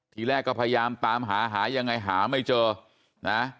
ทีแรกก็พยายามตามหาหายังไงหาไม่เจอนะ